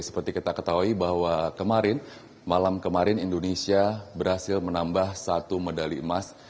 seperti kita ketahui bahwa kemarin malam kemarin indonesia berhasil menambah satu medali emas